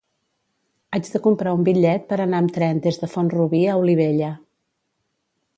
Haig de comprar un bitllet per anar amb tren des de Font-rubí a Olivella.